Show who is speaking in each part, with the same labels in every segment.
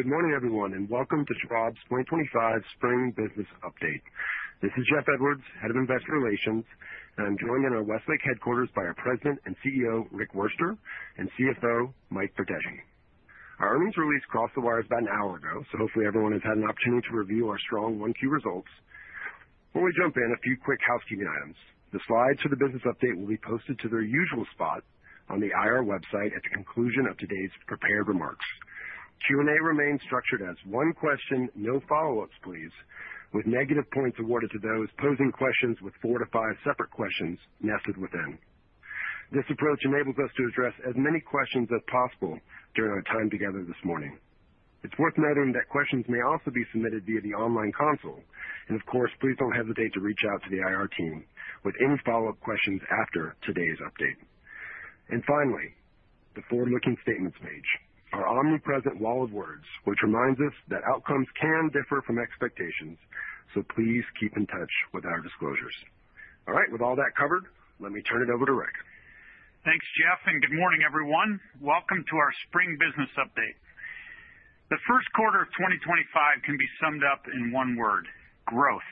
Speaker 1: Good morning, everyone, and welcome to Schwab's 2025 Spring Business Update. This is Jeff Edwards, Head of Investor Relations, and I'm joined in our Westlake headquarters by our President and CEO, Rick Wurster, and CFO, Mike Verdeschi. Our earnings release crossed the wires about an hour ago, so hopefully everyone has had an opportunity to review our strong 1Q results. Before we jump in, a few quick housekeeping items. The slides for the business update will be posted to their usual spot on the IR website at the conclusion of today's prepared remarks. Q&A remains structured as one question, no follow-ups, please, with negative points awarded to those posing questions with four to five separate questions nested within. This approach enables us to address as many questions as possible during our time together this morning. It's worth noting that questions may also be submitted via the online console. Of course, please don't hesitate to reach out to the IR team with any follow-up questions after today's update. Finally, the forward-looking statements page, our omnipresent wall of words, reminds us that outcomes can differ from expectations, so please keep in touch with our disclosures. All right, with all that covered, let me turn it over to Rick.
Speaker 2: Thanks, Jeff, and good morning, everyone. Welcome to our Spring Business Update. The first quarter of 2025 can be summed up in one word: growth.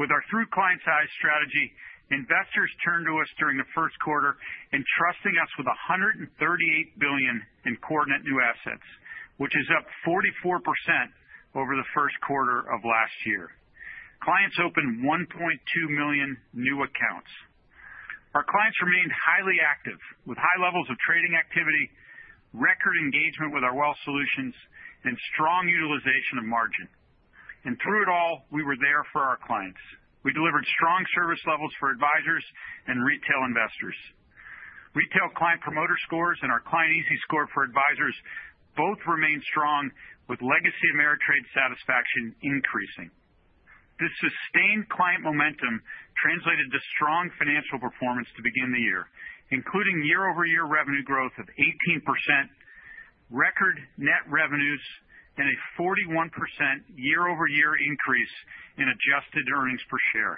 Speaker 2: With our through-client-size strategy, investors turned to us during the first quarter, entrusting us with $138 billion in core net new assets, which is up 44% over the first quarter of last year. Clients opened 1.2 million new accounts. Our clients remained highly active, with high levels of trading activity, record engagement with our wealth solutions, and strong utilization of margin. Through it all, we were there for our clients. We delivered strong service levels for advisors and retail investors. Retail client promoter scores and our client easy score for advisors both remained strong, with legacy Ameritrade satisfaction increasing. This sustained client momentum translated to strong financial performance to begin the year, including year-over-year revenue growth of 18%, record net revenues, and a 41% year-over-year increase in adjusted earnings per share.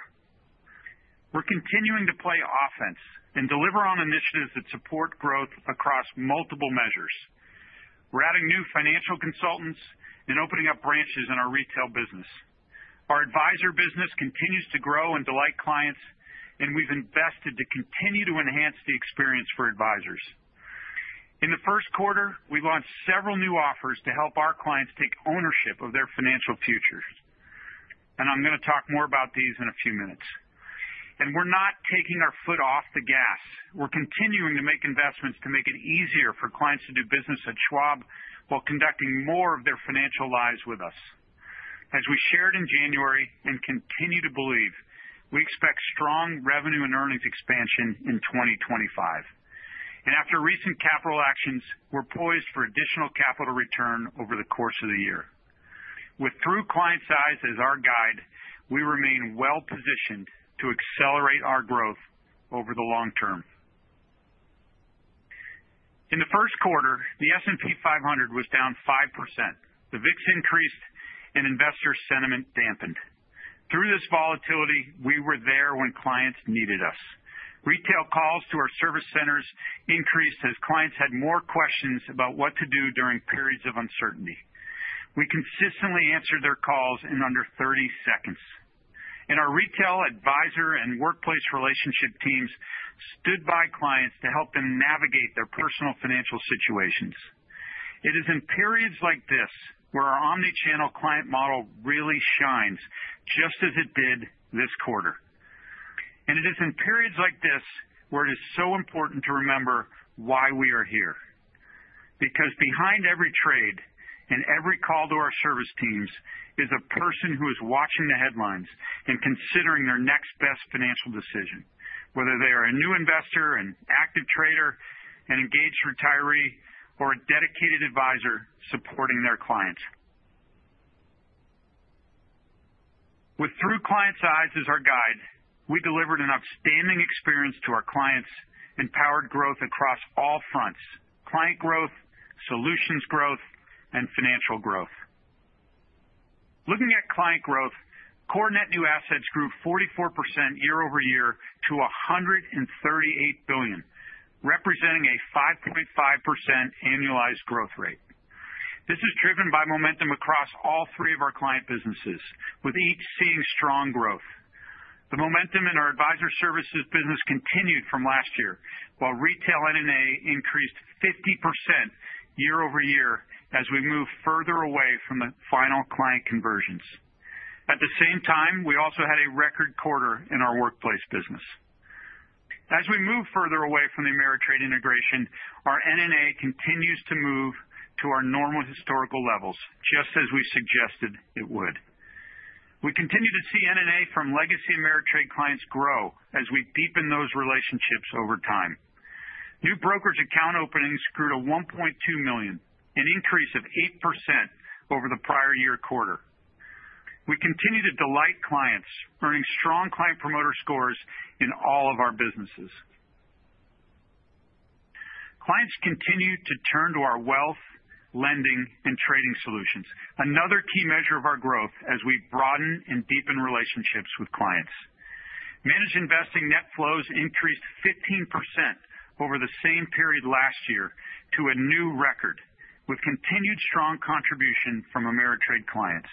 Speaker 2: We are continuing to play offense and deliver on initiatives that support growth across multiple measures. We are adding new financial consultants and opening up branches in our retail business. Our advisor business continues to grow and delight clients, and we have invested to continue to enhance the experience for advisors. In the first quarter, we launched several new offers to help our clients take ownership of their financial futures. I am going to talk more about these in a few minutes. We are not taking our foot off the gas. We are continuing to make investments to make it easier for clients to do business at Schwab while conducting more of their financial lives with us. As we shared in January and continue to believe, we expect strong revenue and earnings expansion in 2025. After recent capital actions, we're poised for additional capital return over the course of the year. With through-client size as our guide, we remain well-positioned to accelerate our growth over the long term. In the first quarter, the S&P 500 was down 5%. The VIX increased, and investor sentiment dampened. Through this volatility, we were there when clients needed us. Retail calls to our service centers increased as clients had more questions about what to do during periods of uncertainty. We consistently answered their calls in under 30 seconds. Our retail advisor and workplace relationship teams stood by clients to help them navigate their personal financial situations. It is in periods like this where our omnichannel client model really shines, just as it did this quarter. It is in periods like this where it is so important to remember why we are here. Because behind every trade and every call to our service teams is a person who is watching the headlines and considering their next best financial decision, whether they are a new investor, an active trader, an engaged retiree, or a dedicated advisor supporting their clients. With through-client size as our guide, we delivered an outstanding experience to our clients and powered growth across all fronts: client growth, solutions growth, and financial growth. Looking at client growth, core net new assets grew 44% year-over-year to $138 billion, representing a 5.5% annualized growth rate. This is driven by momentum across all three of our client businesses, with each seeing strong growth. The momentum in our advisor services business continued from last year, while retail N&A increased 50% year-over-year as we move further away from the final client conversions. At the same time, we also had a record quarter in our workplace business. As we move further away from the Ameritrade integration, our N&A continues to move to our normal historical levels, just as we suggested it would. We continue to see N&A from legacy Ameritrade clients grow as we deepen those relationships over time. New brokerage account openings grew to $1.2 million, an increase of 8% over the prior year quarter. We continue to delight clients, earning strong client promoter scores in all of our businesses. Clients continue to turn to our wealth, lending, and trading solutions, another key measure of our growth as we broaden and deepen relationships with clients. Managed investing net flows increased 15% over the same period last year to a new record, with continued strong contribution from Ameritrade clients.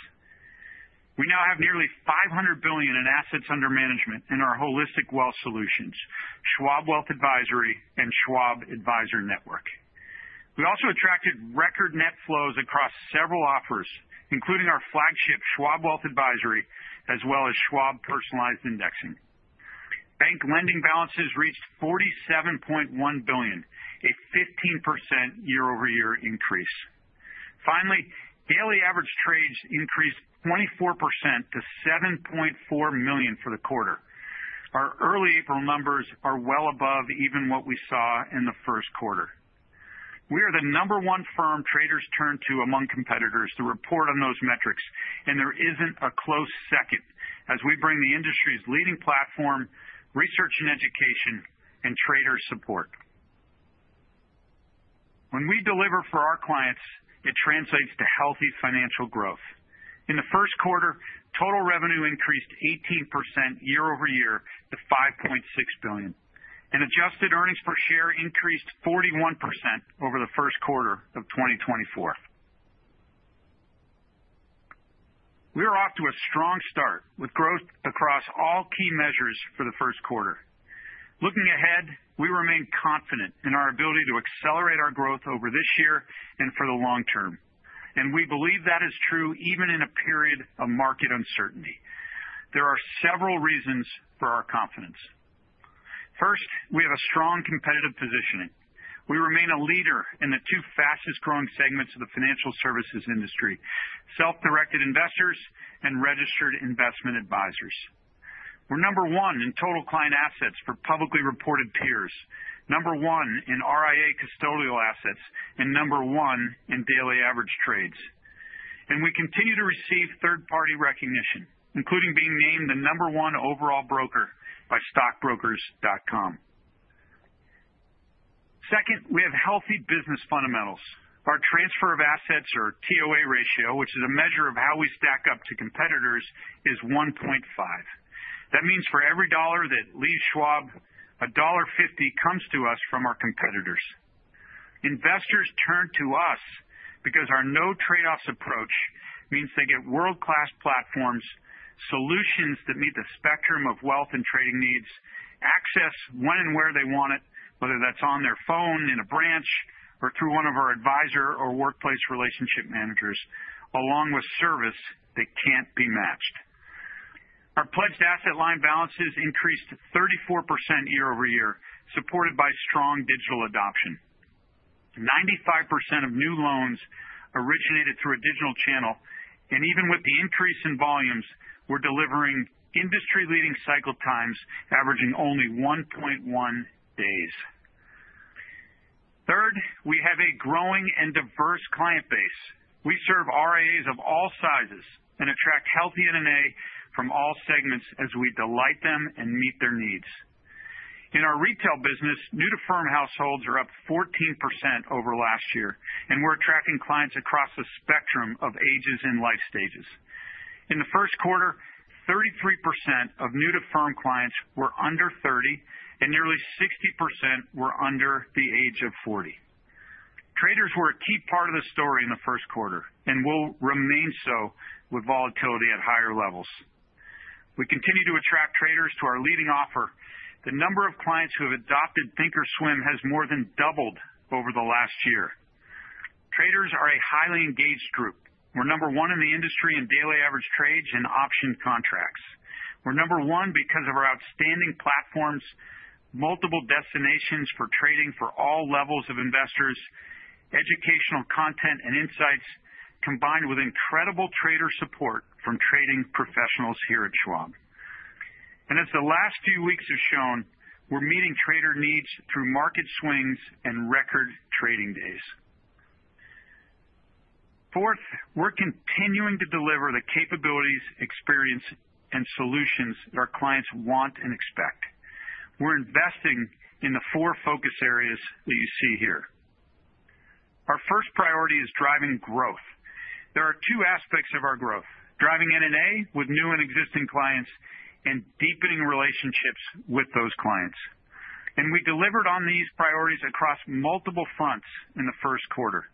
Speaker 2: We now have nearly $500 billion in assets under management in our holistic wealth solutions, Schwab Wealth Advisory and Schwab Advisor Network. We also attracted record net flows across several offers, including our flagship Schwab Wealth Advisory, as well as Schwab Personalized Indexing. Bank lending balances reached $47.1 billion, a 15% year-over-year increase. Finally, daily average trades increased 24% to $7.4 million for the quarter. Our early April numbers are well above even what we saw in the first quarter. We are the number one firm traders turn to among competitors to report on those metrics, and there is not a close second as we bring the industry's leading platform, research and education, and trader support. When we deliver for our clients, it translates to healthy financial growth. In the first quarter, total revenue increased 18% year-over-year to $5.6 billion, and adjusted earnings per share increased 41% over the first quarter of 2024. We are off to a strong start with growth across all key measures for the first quarter. Looking ahead, we remain confident in our ability to accelerate our growth over this year and for the long term. We believe that is true even in a period of market uncertainty. There are several reasons for our confidence. First, we have a strong competitive positioning. We remain a leader in the two fastest-growing segments of the financial services industry: self-directed investors and registered investment advisors. We're number one in total client assets for publicly reported peers, number one in RIA custodial assets, and number one in daily average trades. We continue to receive third-party recognition, including being named the number one overall broker by stockbrokers.com. Second, we have healthy business fundamentals. Our transfer of assets, or TOA ratio, which is a measure of how we stack up to competitors, is 1.5. That means for every dollar that leaves Schwab, $1.50 comes to us from our competitors. Investors turn to us because our no-trade-offs approach means they get world-class platforms, solutions that meet the spectrum of wealth and trading needs, access when and where they want it, whether that's on their phone, in a branch, or through one of our advisor or workplace relationship managers, along with service that can't be matched. Our pledged asset line balances increased 34% year-over-year, supported by strong digital adoption. 95% of new loans originated through a digital channel, and even with the increase in volumes, we're delivering industry-leading cycle times averaging only 1.1 days. Third, we have a growing and diverse client base. We serve RIAs of all sizes and attract healthy N&A from all segments as we delight them and meet their needs. In our retail business, new-to-firm households are up 14% over last year, and we're attracting clients across the spectrum of ages and life stages. In the first quarter, 33% of new-to-firm clients were under 30, and nearly 60% were under the age of 40. Traders were a key part of the story in the first quarter and will remain so with volatility at higher levels. We continue to attract traders to our leading offer. The number of clients who have adopted Thinkorswim has more than doubled over the last year. Traders are a highly engaged group. We're number one in the industry in daily average trades and option contracts. We're number one because of our outstanding platforms, multiple destinations for trading for all levels of investors, educational content, and insights, combined with incredible trader support from trading professionals here at Schwab. As the last few weeks have shown, we're meeting trader needs through market swings and record trading days. Fourth, we're continuing to deliver the capabilities, experience, and solutions that our clients want and expect. We're investing in the four focus areas that you see here. Our first priority is driving growth. There are two aspects of our growth: driving N&A with new and existing clients and deepening relationships with those clients. We delivered on these priorities across multiple fronts in the first quarter.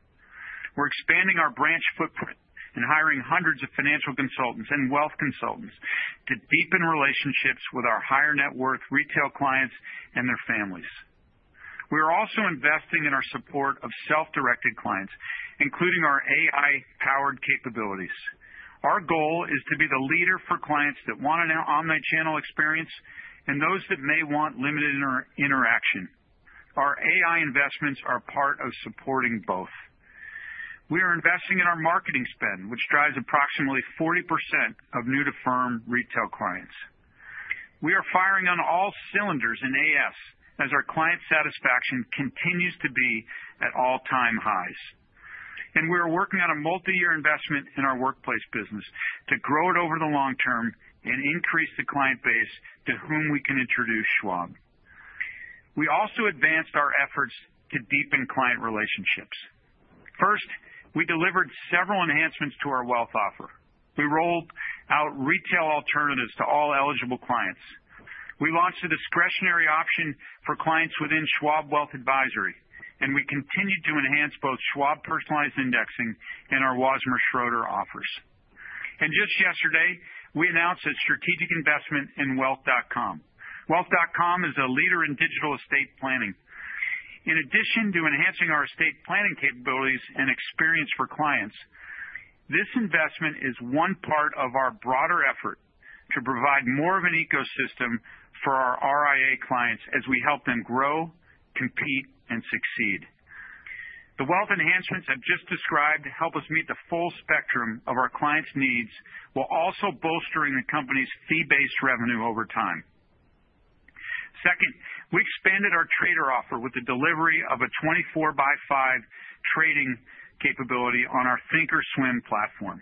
Speaker 2: We're expanding our branch footprint and hiring hundreds of financial consultants and wealth consultants to deepen relationships with our higher net worth retail clients and their families. We are also investing in our support of self-directed clients, including our AI-powered capabilities. Our goal is to be the leader for clients that want an omnichannel experience and those that may want limited interaction. Our AI investments are part of supporting both. We are investing in our marketing spend, which drives approximately 40% of new-to-firm retail clients. We are firing on all cylinders in AS as our client satisfaction continues to be at all-time highs. We are working on a multi-year investment in our workplace business to grow it over the long term and increase the client base to whom we can introduce Schwab. We also advanced our efforts to deepen client relationships. First, we delivered several enhancements to our wealth offer. We rolled out retail alternatives to all eligible clients. We launched a discretionary option for clients within Schwab Wealth Advisory, and we continue to enhance both Schwab Personalized Indexing and our Wozmer-Schroeder offers. Just yesterday, we announced a strategic investment in wealth.com. Wealth.com is a leader in digital estate planning. In addition to enhancing our estate planning capabilities and experience for clients, this investment is one part of our broader effort to provide more of an ecosystem for our RIA clients as we help them grow, compete, and succeed. The wealth enhancements I have just described help us meet the full spectrum of our clients' needs while also bolstering the company's fee-based revenue over time. Second, we expanded our trader offer with the delivery of a 24x5 trading capability on our Thinkorswim platform.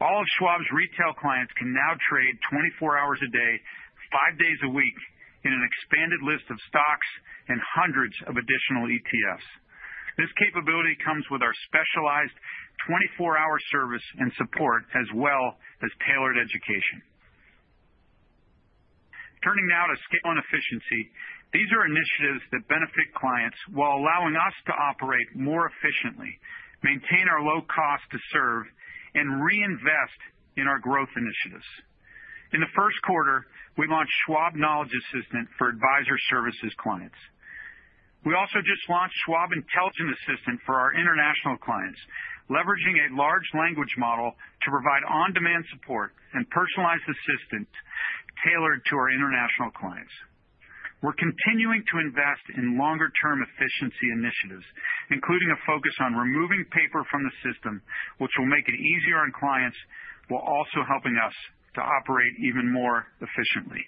Speaker 2: All of Schwab's retail clients can now trade 24 hours a day, five days a week, in an expanded list of stocks and hundreds of additional ETFs. This capability comes with our specialized 24-hour service and support, as well as tailored education. Turning now to scale and efficiency, these are initiatives that benefit clients while allowing us to operate more efficiently, maintain our low cost to serve, and reinvest in our growth initiatives. In the first quarter, we launched Schwab Knowledge Assistant for advisor services clients. We also just launched Schwab Intelligent Assistant for our international clients, leveraging a large language model to provide on-demand support and personalized assistance tailored to our international clients. We're continuing to invest in longer-term efficiency initiatives, including a focus on removing paper from the system, which will make it easier on clients, while also helping us to operate even more efficiently.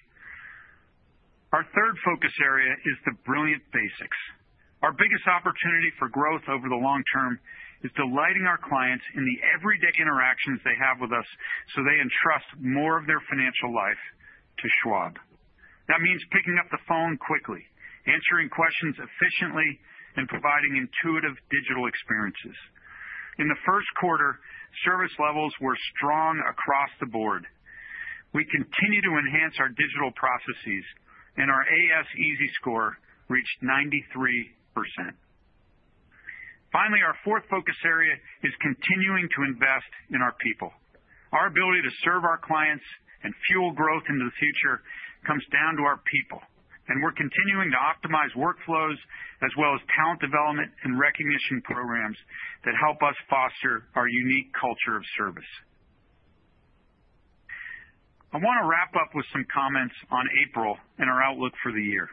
Speaker 2: Our third focus area is the brilliant basics. Our biggest opportunity for growth over the long term is delighting our clients in the everyday interactions they have with us so they entrust more of their financial life to Schwab. That means picking up the phone quickly, answering questions efficiently, and providing intuitive digital experiences. In the first quarter, service levels were strong across the board. We continue to enhance our digital processes, and our AS Easy Score reached 93%. Finally, our fourth focus area is continuing to invest in our people. Our ability to serve our clients and fuel growth into the future comes down to our people, and we're continuing to optimize workflows as well as talent development and recognition programs that help us foster our unique culture of service. I want to wrap up with some comments on April and our outlook for the year.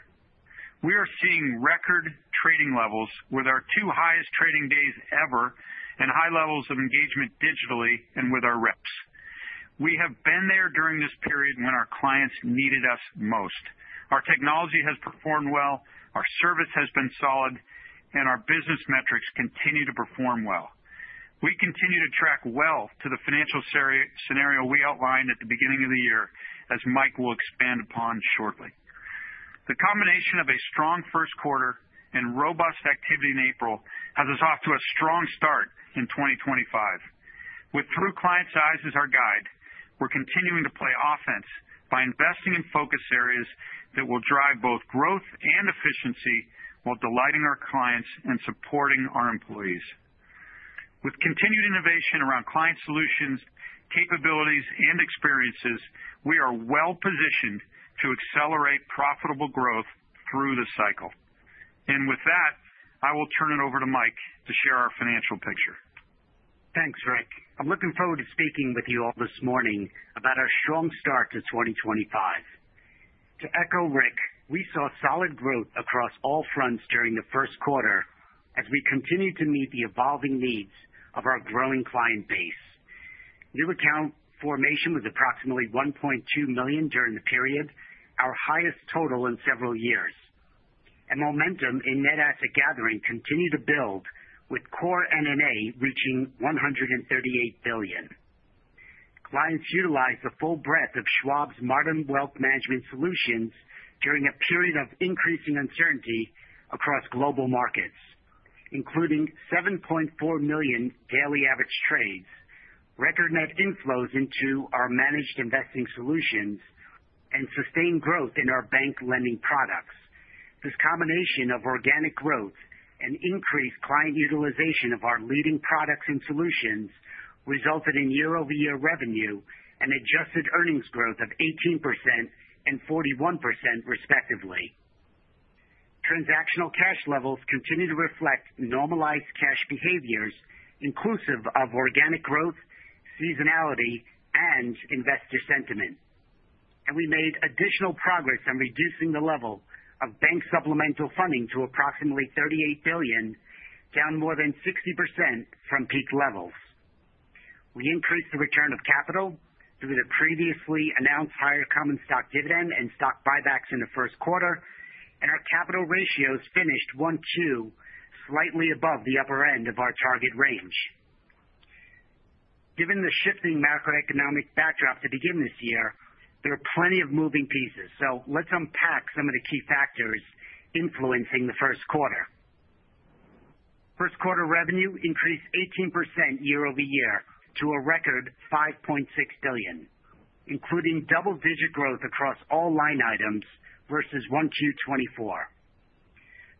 Speaker 2: We are seeing record trading levels with our two highest trading days ever and high levels of engagement digitally and with our reps. We have been there during this period when our clients needed us most. Our technology has performed well, our service has been solid, and our business metrics continue to perform well. We continue to track well to the financial scenario we outlined at the beginning of the year, as Mike will expand upon shortly. The combination of a strong first quarter and robust activity in April has us off to a strong start in 2025. With true client size as our guide, we're continuing to play offense by investing in focus areas that will drive both growth and efficiency while delighting our clients and supporting our employees. With continued innovation around client solutions, capabilities, and experiences, we are well positioned to accelerate profitable growth through the cycle. With that, I will turn it over to Mike to share our financial picture.
Speaker 3: Thanks, Rick. I'm looking forward to speaking with you all this morning about our strong start to 2025. To echo Rick, we saw solid growth across all fronts during the first quarter as we continued to meet the evolving needs of our growing client base. New account formation was approximately 1.2 million during the period, our highest total in several years. Momentum in net asset gathering continued to build, with core N&A reaching $138 billion. Clients utilized the full breadth of Schwab's modern wealth management solutions during a period of increasing uncertainty across global markets, including 7.4 million daily average trades, record net inflows into our managed investing solutions, and sustained growth in our bank lending products. This combination of organic growth and increased client utilization of our leading products and solutions resulted in year-over-year revenue and adjusted earnings growth of 18% and 41%, respectively. Transactional cash levels continue to reflect normalized cash behaviors, inclusive of organic growth, seasonality, and investor sentiment. We made additional progress on reducing the level of bank supplemental funding to approximately $38 billion, down more than 60% from peak levels. We increased the return of capital through the previously announced higher common stock dividend and stock buybacks in the first quarter, and our capital ratios finished one two, slightly above the upper end of our target range. Given the shifting macroeconomic backdrop to begin this year, there are plenty of moving pieces, so let's unpack some of the key factors influencing the first quarter. First quarter revenue increased 18% year-over-year to a record $5.6 billion, including double-digit growth across all line items versus 2024.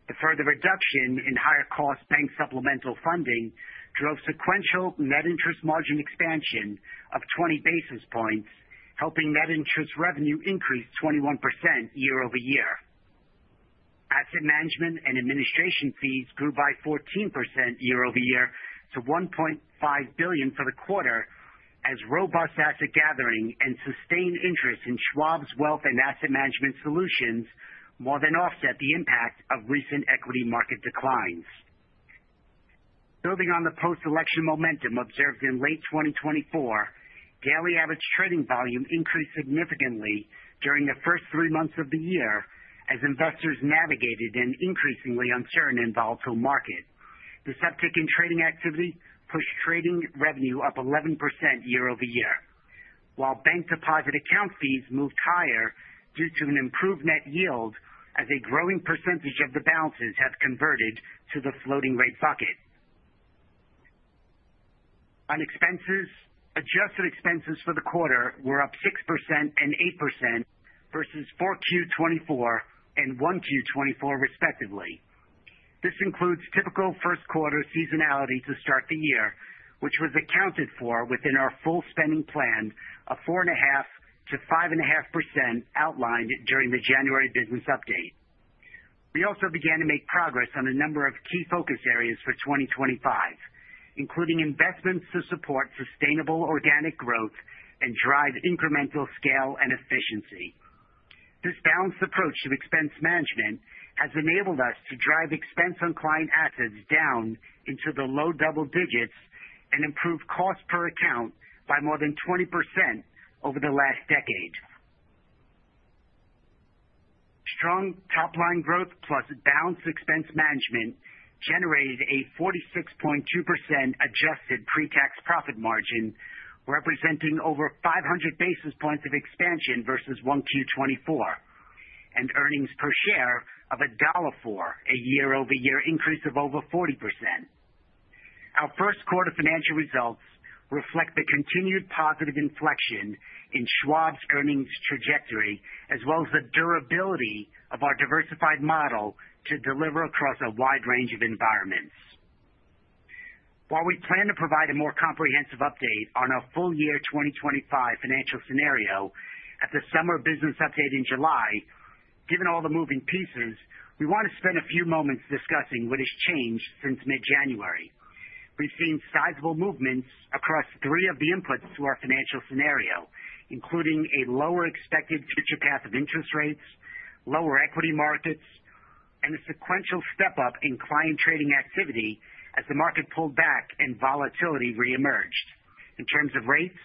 Speaker 3: The further reduction in higher-cost bank supplemental funding drove sequential net interest margin expansion of 20 basis points, helping net interest revenue increase 21% year-over-year. Asset management and administration fees grew by 14% year-over-year to $1.5 billion for the quarter as robust asset gathering and sustained interest in Schwab's wealth and asset management solutions more than offset the impact of recent equity market declines. Building on the post-election momentum observed in late 2024, daily average trading volume increased significantly during the first three months of the year as investors navigated an increasingly uncertain and volatile market. This uptick in trading activity pushed trading revenue up 11% year-over-year, while bank deposit account fees moved higher due to an improved net yield as a growing percentage of the balances have converted to the floating-rate bucket. On expenses, adjusted expenses for the quarter were up 6% and 8% versus 4Q 2024 and 1Q 2024, respectively. This includes typical first-quarter seasonality to start the year, which was accounted for within our full spending plan of 4.5%-5.5% outlined during the January business update. We also began to make progress on a number of key focus areas for 2025, including investments to support sustainable organic growth and drive incremental scale and efficiency. This balanced approach to expense management has enabled us to drive expense on client assets down into the low double digits and improve cost per account by more than 20% over the last decade. Strong top-line growth plus balanced expense management generated a 46.2% adjusted pre-tax profit margin, representing over 500 basis points of expansion versus 1Q 2024, and earnings per share of $1.04, a year-over-year increase of over 40%. Our first quarter financial results reflect the continued positive inflection in Schwab's earnings trajectory, as well as the durability of our diversified model to deliver across a wide range of environments. While we plan to provide a more comprehensive update on our full year 2025 financial scenario at the summer business update in July, given all the moving pieces, we want to spend a few moments discussing what has changed since mid-January. We have seen sizable movements across three of the inputs to our financial scenario, including a lower expected future path of interest rates, lower equity markets, and a sequential step-up in client trading activity as the market pulled back and volatility reemerged. In terms of rates,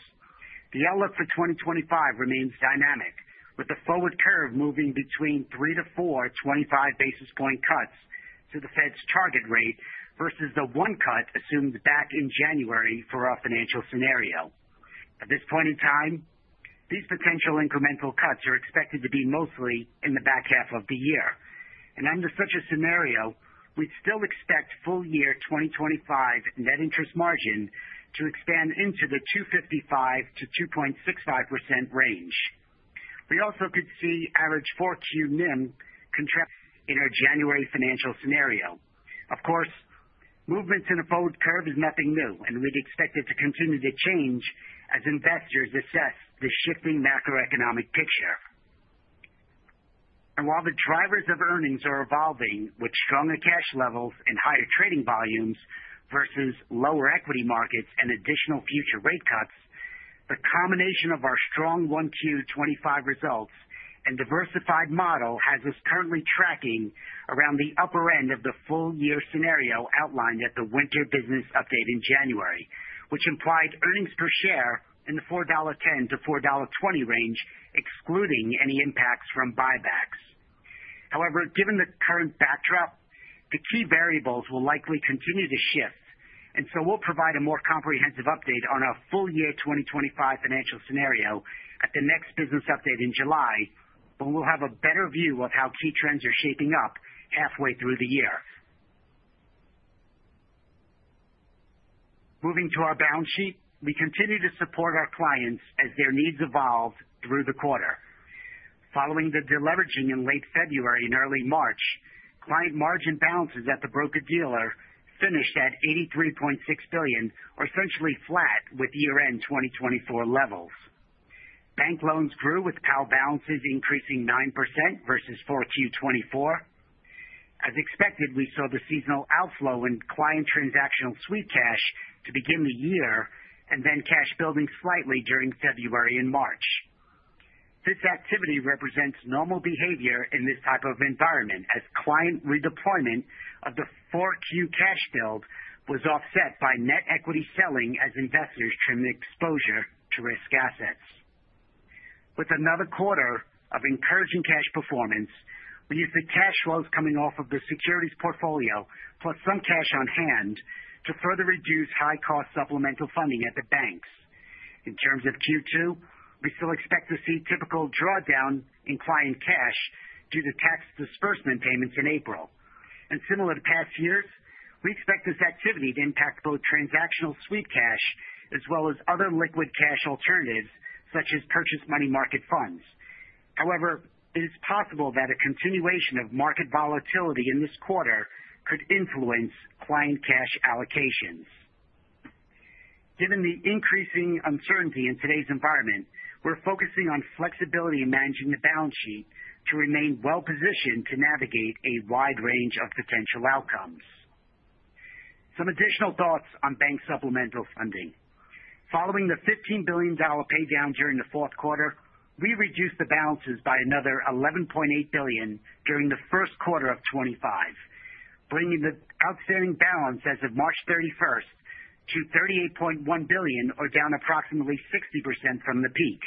Speaker 3: the outlook for 2025 remains dynamic, with the forward curve moving between three to four 25 basis point cuts to the Fed's target rate versus the one cut assumed back in January for our financial scenario. At this point in time, these potential incremental cuts are expected to be mostly in the back half of the year. Under such a scenario, we'd still expect full year 2025 net interest margin to expand into the 2.55-2.65% range. We also could see average fourth quarter NIM contract in our January financial scenario. Of course, movements in the forward curve are nothing new, and we'd expect it to continue to change as investors assess the shifting macroeconomic picture. While the drivers of earnings are evolving, with stronger cash levels and higher trading volumes versus lower equity markets and additional future rate cuts, the combination of our strong 1Q 2025 results and diversified model has us currently tracking around the upper end of the full year scenario outlined at the winter business update in January, which implied earnings per share in the $4.10 to $4.20 range, excluding any impacts from buybacks. However, given the current backdrop, the key variables will likely continue to shift, and so we'll provide a more comprehensive update on our full year 2025 financial scenario at the next business update in July, when we'll have a better view of how key trends are shaping up halfway through the year. Moving to our balance sheet, we continue to support our clients as their needs evolve through the quarter. Following the deleveraging in late February and early March, client margin balances at the broker-dealer finished at $83.6 billion, or essentially flat with year-end 2024 levels. Bank loans grew with Pledged Asset Line balances increasing 9% versus 4Q 2024. As expected, we saw the seasonal outflow in client transactional sweep cash to begin the year and then cash building slightly during February and March. This activity represents normal behavior in this type of environment, as client redeployment of the 4Q cash build was offset by net equity selling as investors trimmed exposure to risk assets. With another quarter of encouraging cash performance, we used the cash flows coming off of the securities portfolio plus some cash on hand to further reduce high-cost supplemental funding at the banks. In terms of Q2, we still expect to see typical drawdown in client cash due to tax disbursement payments in April. Similar to past years, we expect this activity to impact both transactional sweep cash as well as other liquid cash alternatives such as purchased money market funds. However, it is possible that a continuation of market volatility in this quarter could influence client cash allocations. Given the increasing uncertainty in today's environment, we're focusing on flexibility in managing the balance sheet to remain well-positioned to navigate a wide range of potential outcomes. Some additional thoughts on bank supplemental funding. Following the $15 billion paydown during the fourth quarter, we reduced the balances by another $11.8 billion during the first quarter of 2025, bringing the outstanding balance as of March 31 to $38.1 billion, or down approximately 60% from the peak.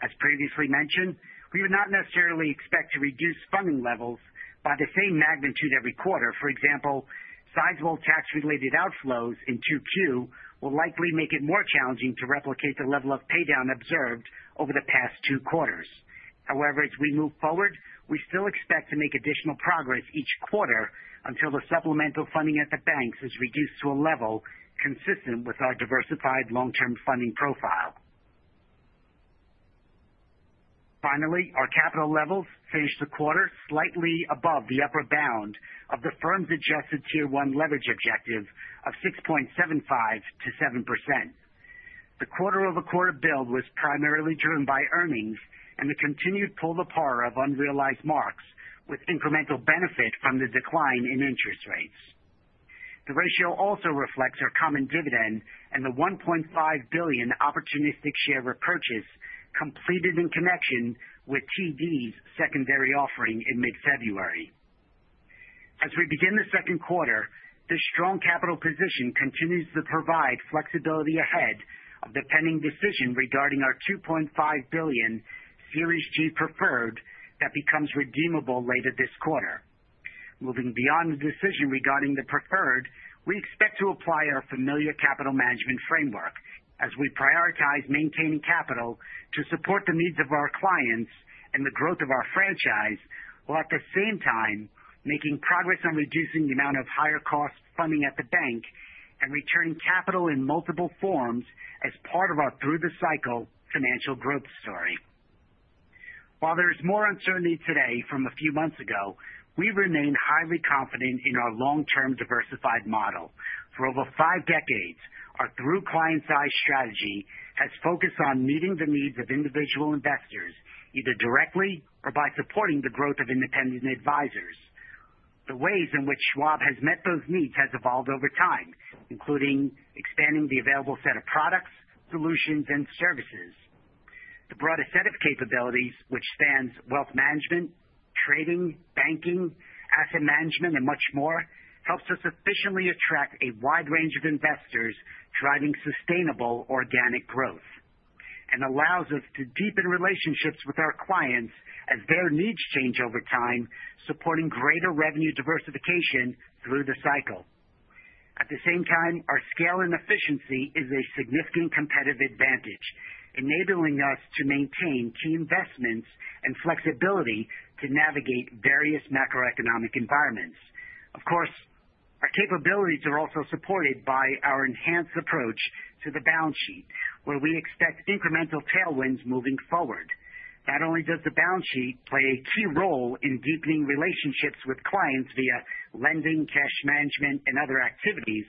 Speaker 3: As previously mentioned, we would not necessarily expect to reduce funding levels by the same magnitude every quarter. For example, sizable tax-related outflows in Q2 will likely make it more challenging to replicate the level of paydown observed over the past two quarters. However, as we move forward, we still expect to make additional progress each quarter until the supplemental funding at the banks is reduced to a level consistent with our diversified long-term funding profile. Finally, our capital levels finished the quarter slightly above the upper bound of the firm's adjusted tier-one leverage objective of 6.75-7%. The quarter-over-quarter build was primarily driven by earnings and the continued pull-apart of unrealized marks, with incremental benefit from the decline in interest rates. The ratio also reflects our common dividend and the $1.5 billion opportunistic share repurchase completed in connection with TD's secondary offering in mid-February. As we begin the second quarter, this strong capital position continues to provide flexibility ahead of the pending decision regarding our $2.5 billion Series G preferred that becomes redeemable later this quarter. Moving beyond the decision regarding the preferred, we expect to apply our familiar capital management framework as we prioritize maintaining capital to support the needs of our clients and the growth of our franchise, while at the same time making progress on reducing the amount of higher-cost funding at the bank and returning capital in multiple forms as part of our through-the-cycle financial growth story. While there is more uncertainty today from a few months ago, we remain highly confident in our long-term diversified model. For over five decades, our through-client-size strategy has focused on meeting the needs of individual investors either directly or by supporting the growth of independent advisors. The ways in which Schwab has met those needs have evolved over time, including expanding the available set of products, solutions, and services. The broader set of capabilities, which spans wealth management, trading, banking, asset management, and much more, helps us efficiently attract a wide range of investors driving sustainable organic growth and allows us to deepen relationships with our clients as their needs change over time, supporting greater revenue diversification through the cycle. At the same time, our scale and efficiency is a significant competitive advantage, enabling us to maintain key investments and flexibility to navigate various macroeconomic environments. Of course, our capabilities are also supported by our enhanced approach to the balance sheet, where we expect incremental tailwinds moving forward. Not only does the balance sheet play a key role in deepening relationships with clients via lending, cash management, and other activities,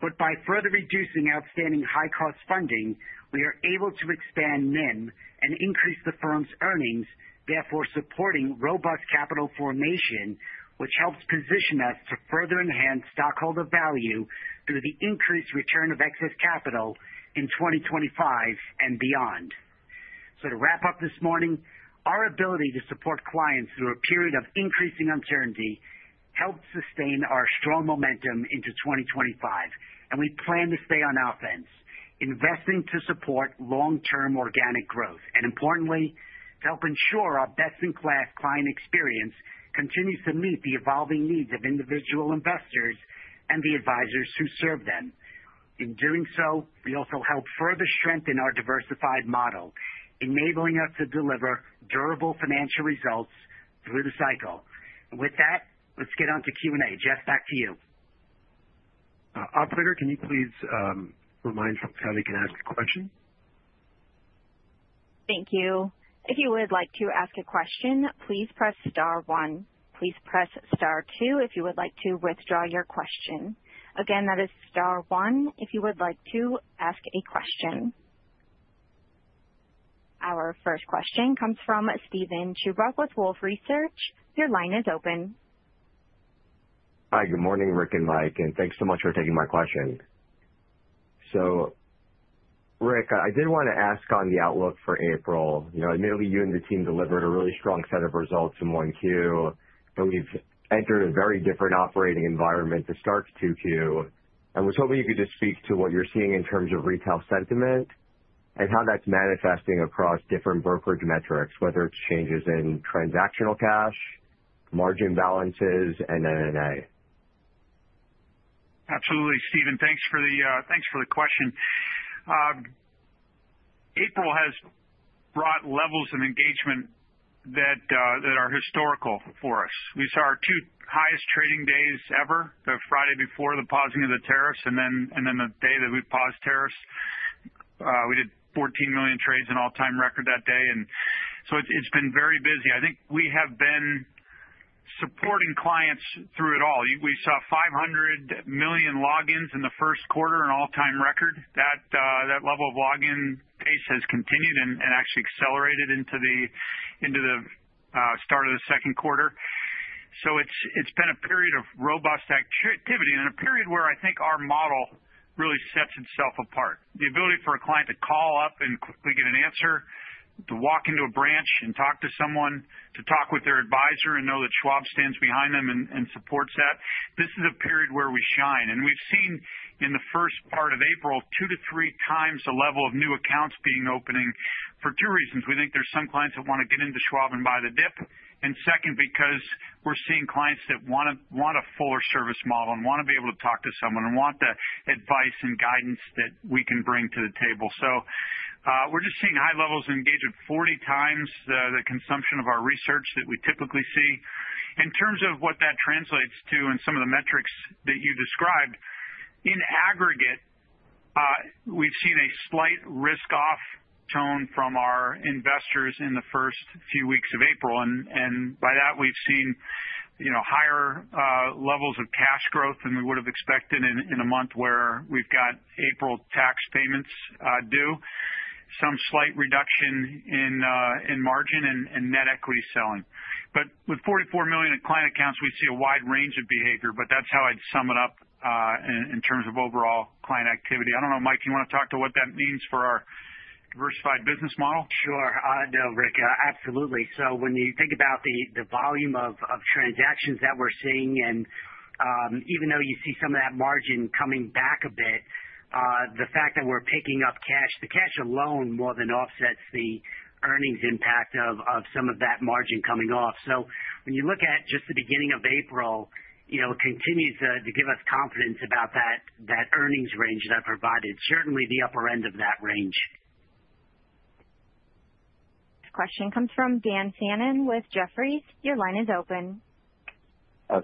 Speaker 3: but by further reducing outstanding high-cost funding, we are able to expand NIM and increase the firm's earnings, therefore supporting robust capital formation, which helps position us to further enhance stockholder value through the increased return of excess capital in 2025 and beyond. To wrap up this morning, our ability to support clients through a period of increasing uncertainty helped sustain our strong momentum into 2025, and we plan to stay on our fence, investing to support long-term organic growth. Importantly, to help ensure our best-in-class client experience continues to meet the evolving needs of individual investors and the advisors who serve them. In doing so, we also help further strengthen our diversified model, enabling us to deliver durable financial results through the cycle. With that, let's get on to Q&A. Jeff, back to you.
Speaker 1: Operator, can you please remind Charlie how to ask a question?
Speaker 4: Thank you. If you would like to ask a question, please press star one. Please press star two if you would like to withdraw your question. Again, that is star one if you would like to ask a question. Our first question comes from Steven Chubak with Wolfe Research. Your line is open.
Speaker 5: Hi, good morning, Rick and Mike, and thanks so much for taking my question. Rick, I did want to ask on the outlook for April. Admittedly, you and the team delivered a really strong set of results in 1Q, but we've entered a very different operating environment to start 2Q. I was hoping you could just speak to what you're seeing in terms of retail sentiment and how that's manifesting across different brokerage metrics, whether it's changes in transactional cash, margin balances, and NNA.
Speaker 2: Absolutely, Steven. Thanks for the question. April has brought levels of engagement that are historical for us. We saw our two highest trading days ever, the Friday before the pausing of the tariffs and then the day that we paused tariffs. We did 14 million trades, an all-time record that day. It has been very busy. I think we have been supporting clients through it all. We saw 500 million logins in the first quarter, an all-time record. That level of login pace has continued and actually accelerated into the start of the second quarter. It has been a period of robust activity and a period where I think our model really sets itself apart. The ability for a client to call up and quickly get an answer, to walk into a branch and talk to someone, to talk with their advisor and know that Schwab stands behind them and supports that, this is a period where we shine. We have seen in the first part of April two to three times the level of new accounts being opened for two reasons. We think there are some clients that want to get into Schwab and buy the dip. Second, we are seeing clients that want a fuller service model and want to be able to talk to someone and want the advice and guidance that we can bring to the table. We are just seeing high levels of engagement, 40 times the consumption of our research that we typically see. In terms of what that translates to and some of the metrics that you described, in aggregate, we've seen a slight risk-off tone from our investors in the first few weeks of April. By that, we've seen higher levels of cash growth than we would have expected in a month where we've got April tax payments due, some slight reduction in margin and net equity selling. With 44 million client accounts, we see a wide range of behavior, but that's how I'd sum it up in terms of overall client activity. I don't know, Mike, you want to talk to what that means for our diversified business model?
Speaker 3: Sure. No, Rick, absolutely. When you think about the volume of transactions that we're seeing, and even though you see some of that margin coming back a bit, the fact that we're picking up cash, the cash alone more than offsets the earnings impact of some of that margin coming off. When you look at just the beginning of April, it continues to give us confidence about that earnings range that I provided, certainly the upper end of that range.
Speaker 4: Question comes from Dan Fannon with Jefferies. Your line is open.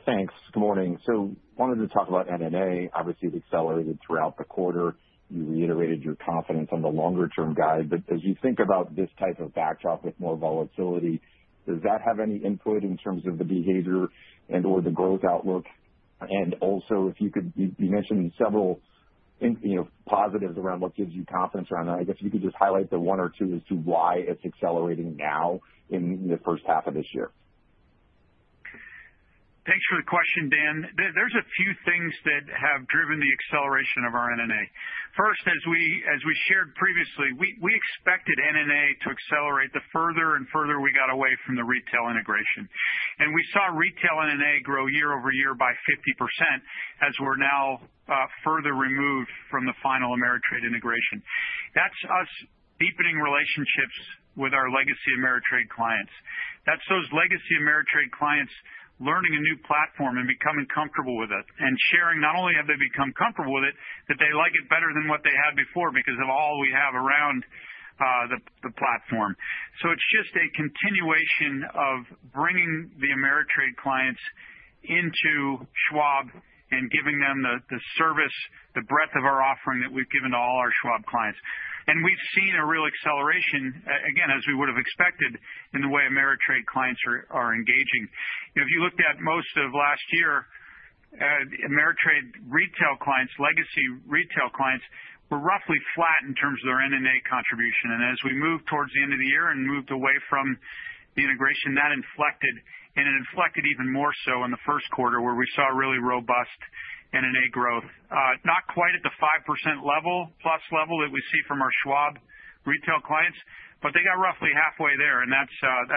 Speaker 6: Thanks. Good morning. I wanted to talk about NNA. Obviously, it accelerated throughout the quarter. You reiterated your confidence on the longer-term guide. As you think about this type of backdrop with more volatility, does that have any input in terms of the behavior and/or the growth outlook? Also, you mentioned several positives around what gives you confidence around that. I guess if you could just highlight the one or two as to why it's accelerating now in the first half of this year.
Speaker 2: Thanks for the question, Dan. There's a few things that have driven the acceleration of our NNA. First, as we shared previously, we expected NNA to accelerate the further and further we got away from the retail integration. We saw retail NNA grow year over year by 50% as we're now further removed from the final Ameritrade integration. That's us deepening relationships with our legacy Ameritrade clients. That's those legacy Ameritrade clients learning a new platform and becoming comfortable with it and sharing. Not only have they become comfortable with it, but they like it better than what they had before because of all we have around the platform. It is just a continuation of bringing the Ameritrade clients into Schwab and giving them the service, the breadth of our offering that we've given to all our Schwab clients. We have seen a real acceleration, again, as we would have expected in the way Ameritrade clients are engaging. If you looked at most of last year, Ameritrade retail clients, legacy retail clients, were roughly flat in terms of their NNA contribution. As we moved towards the end of the year and moved away from the integration, that inflected, and it inflected even more so in the first quarter where we saw really robust NNA growth. Not quite at the 5% plus level that we see from our Schwab retail clients, but they got roughly halfway there. That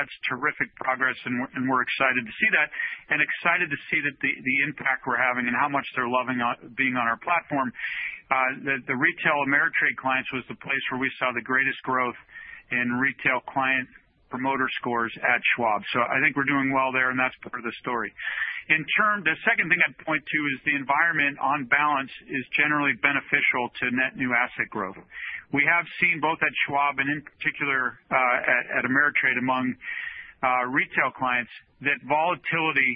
Speaker 2: is terrific progress, and we are excited to see that and excited to see the impact we are having and how much they are loving being on our platform. The retail Ameritrade clients was the place where we saw the greatest growth in retail client promoter scores at Schwab. I think we're doing well there, and that's part of the story. The second thing I'd point to is the environment on balance is generally beneficial to net new asset growth. We have seen both at Schwab and in particular at Ameritrade among retail clients that volatility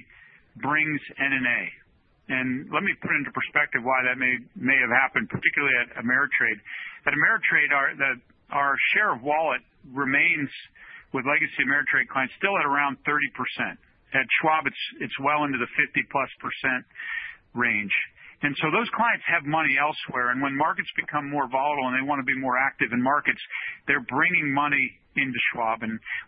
Speaker 2: brings NNA. Let me put into perspective why that may have happened, particularly at Ameritrade. At Ameritrade, our share of wallet remains with legacy Ameritrade clients still at around 30%. At Schwab, it's well into the 50-plus % range. Those clients have money elsewhere. When markets become more volatile and they want to be more active in markets, they're bringing money into Schwab.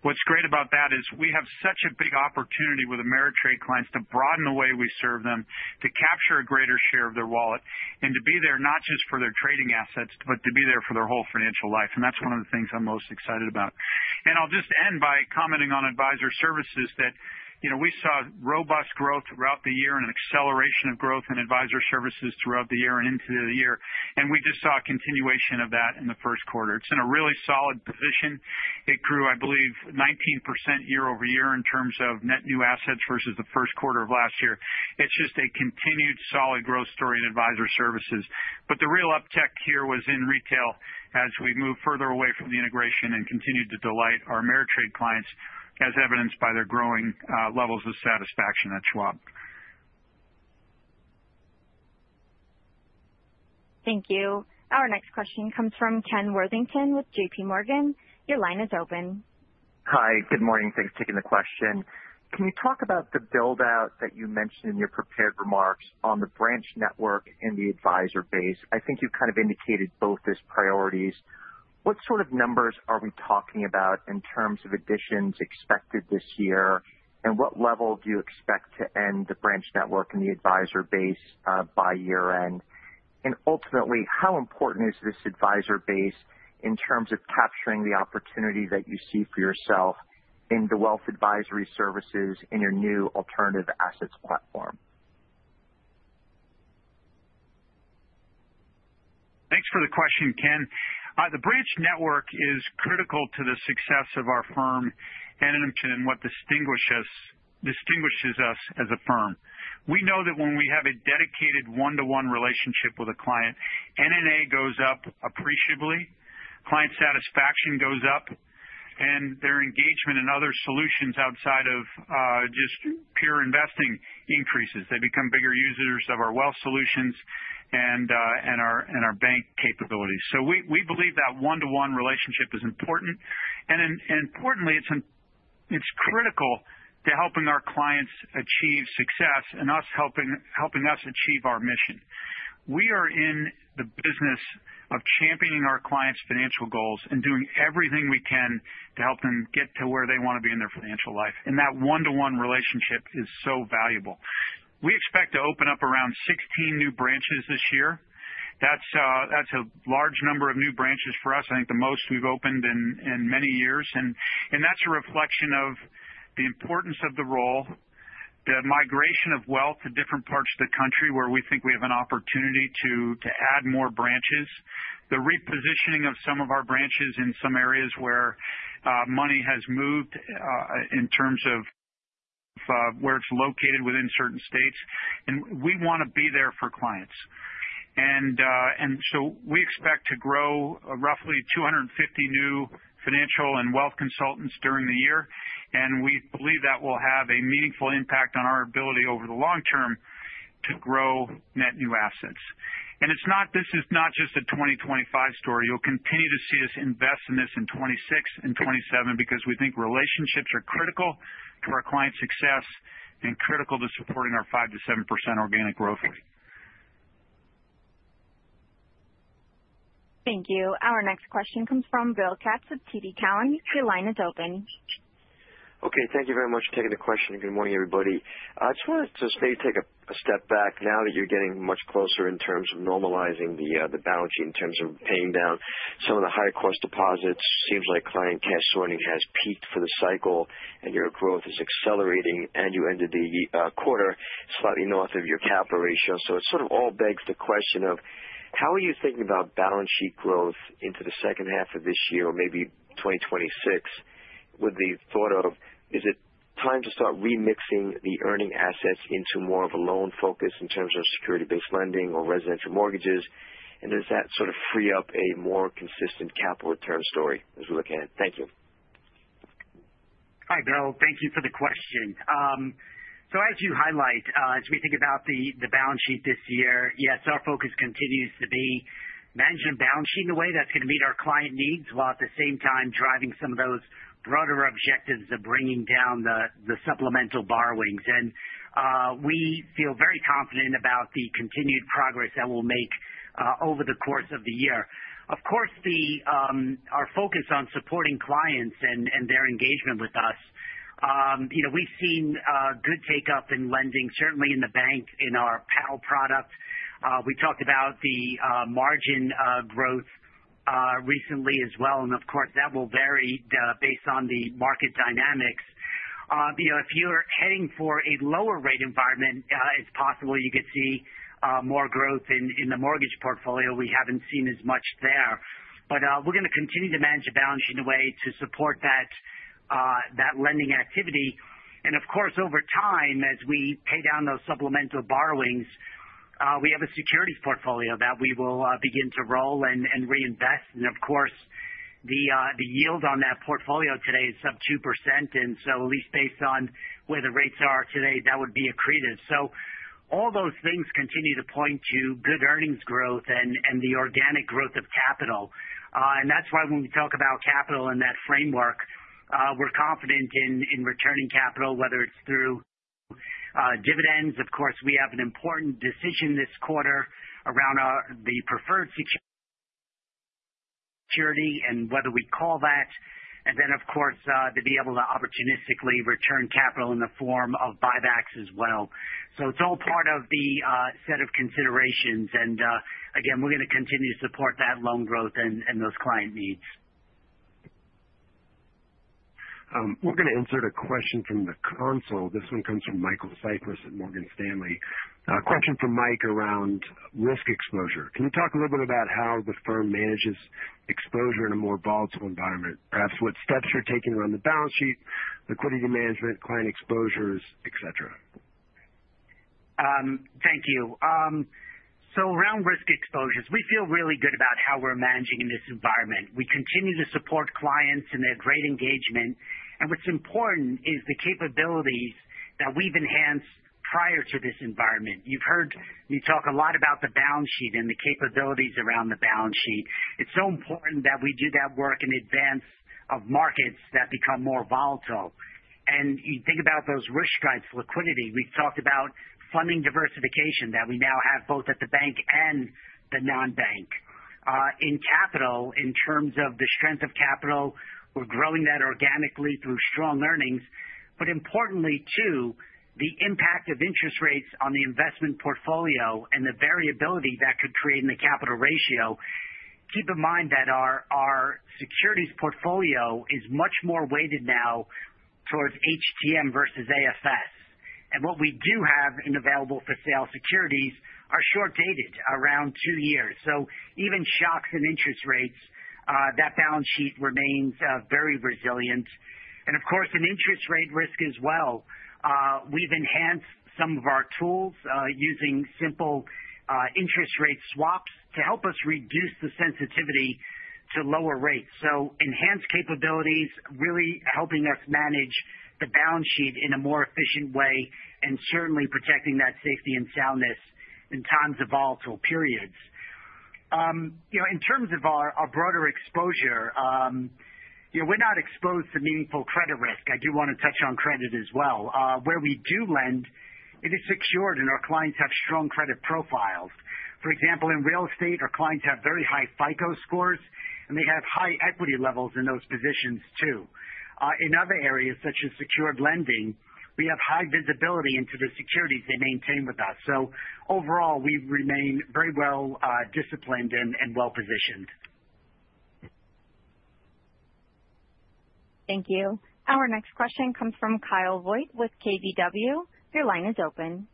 Speaker 2: What's great about that is we have such a big opportunity with Ameritrade clients to broaden the way we serve them, to capture a greater share of their wallet, and to be there not just for their trading assets, but to be there for their whole financial life. That's one of the things I'm most excited about. I'll just end by commenting on advisor services that we saw robust growth throughout the year and an acceleration of growth in advisor services throughout the year and into the year. We just saw a continuation of that in the first quarter. It's in a really solid position. It grew, I believe, 19% year over year in terms of net new assets versus the first quarter of last year. It's just a continued solid growth story in advisor services. The real uptick here was in retail as we moved further away from the integration and continued to delight our Ameritrade clients, as evidenced by their growing levels of satisfaction at Schwab.
Speaker 4: Thank you. Our next question comes from Ken Worthington with JPMorgan. Your line is open.
Speaker 7: Hi, good morning. Thanks for taking the question. Can you talk about the buildout that you mentioned in your prepared remarks on the branch network and the advisor base? I think you kind of indicated both as priorities. What sort of numbers are we talking about in terms of additions expected this year? What level do you expect to end the branch network and the advisor base by year-end? Ultimately, how important is this advisor base in terms of capturing the opportunity that you see for yourself in the wealth advisory services in your new alternative assets platform?
Speaker 2: Thanks for the question, Ken. The branch network is critical to the success of our firm and in what distinguishes us as a firm. We know that when we have a dedicated one-to-one relationship with a client, NNA goes up appreciably. Client satisfaction goes up, and their engagement in other solutions outside of just pure investing increases. They become bigger users of our wealth solutions and our bank capabilities. We believe that one-to-one relationship is important. Importantly, it's critical to helping our clients achieve success and us helping us achieve our mission. We are in the business of championing our clients' financial goals and doing everything we can to help them get to where they want to be in their financial life. That one-to-one relationship is so valuable. We expect to open up around 16 new branches this year. That's a large number of new branches for us. I think the most we've opened in many years. That's a reflection of the importance of the role, the migration of wealth to different parts of the country where we think we have an opportunity to add more branches, the repositioning of some of our branches in some areas where money has moved in terms of where it's located within certain states. We want to be there for clients. We expect to grow roughly 250 new financial and wealth consultants during the year. We believe that will have a meaningful impact on our ability over the long term to grow net new assets. This is not just a 2025 story. You'll continue to see us invest in this in 2026 and 2027 because we think relationships are critical to our client success and critical to supporting our 5-7% organic growth rate.
Speaker 4: Thank you. Our next question comes from Bill Katz with TD Cowen. Your line is open.
Speaker 8: Okay. Thank you very much for taking the question. Good morning, everybody. I just wanted to maybe take a step back now that you're getting much closer in terms of normalizing the balance sheet in terms of paying down some of the higher-cost deposits. Seems like client cash sorting has peaked for the cycle, and your growth is accelerating, and you ended the quarter slightly north of your capital ratio. It sort of all begs the question of how are you thinking about balance sheet growth into the second half of this year or maybe 2026 with the thought of, is it time to start remixing the earning assets into more of a loan focus in terms of security-based lending or residential mortgages? Does that sort of free up a more consistent capital return story as we look ahead? Thank you.
Speaker 3: Hi, Bill. Thank you for the question. As you highlight, as we think about the balance sheet this year, yes, our focus continues to be managing balance sheet in a way that's going to meet our client needs while at the same time driving some of those broader objectives of bringing down the supplemental borrowings. We feel very confident about the continued progress that we'll make over the course of the year. Of course, our focus on supporting clients and their engagement with us, we've seen good take-up in lending, certainly in the bank, in our PAL product. We talked about the margin growth recently as well. Of course, that will vary based on the market dynamics. If you're heading for a lower-rate environment, it's possible you could see more growth in the mortgage portfolio. We haven't seen as much there. We are going to continue to manage a balance sheet in a way to support that lending activity. Of course, over time, as we pay down those supplemental borrowings, we have a securities portfolio that we will begin to roll and reinvest. The yield on that portfolio today is sub 2%. At least based on where the rates are today, that would be accretive. All those things continue to point to good earnings growth and the organic growth of capital. That is why when we talk about capital in that framework, we are confident in returning capital, whether it is through dividends. We have an important decision this quarter around the preferred security and whether we call that. Of course, to be able to opportunistically return capital in the form of buybacks as well. It is all part of the set of considerations. Again, we're going to continue to support that loan growth and those client needs.
Speaker 1: We're going to insert a question from the console. This one comes from Michael Cypress at Morgan Stanley. Question from Mike around risk exposure. Can you talk a little bit about how the firm manages exposure in a more volatile environment? Perhaps what steps you're taking around the balance sheet, liquidity management, client exposures, etc.?
Speaker 3: Thank you. Around risk exposures, we feel really good about how we're managing in this environment. We continue to support clients and their great engagement. What's important is the capabilities that we've enhanced prior to this environment. You've heard me talk a lot about the balance sheet and the capabilities around the balance sheet. It's so important that we do that work in advance of markets that become more volatile. You think about those risk strikes, liquidity. We've talked about funding diversification that we now have both at the bank and the non-bank. In capital, in terms of the strength of capital, we're growing that organically through strong earnings. Importantly, too, the impact of interest rates on the investment portfolio and the variability that could create in the capital ratio. Keep in mind that our securities portfolio is much more weighted now towards HTM versus AFS. What we do have available for sale securities are short-dated, around two years. Even shocks in interest rates, that balance sheet remains very resilient. Of course, in interest rate risk as well, we've enhanced some of our tools using simple interest rate swaps to help us reduce the sensitivity to lower rates. Enhanced capabilities really helping us manage the balance sheet in a more efficient way and certainly protecting that safety and soundness in times of volatile periods. In terms of our broader exposure, we're not exposed to meaningful credit risk. I do want to touch on credit as well. Where we do lend, it is secured, and our clients have strong credit profiles. For example, in real estate, our clients have very high FICO scores, and they have high equity levels in those positions, too. In other areas, such as secured lending, we have high visibility into the securities they maintain with us. Overall, we remain very well disciplined and well positioned.
Speaker 4: Thank you. Our next question comes from Kyle Voigt with KBW. Your line is open.